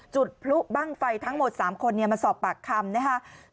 จุดพลุบ้างไฟทั้งหมด๓คนมาสอบปากคำนะครับ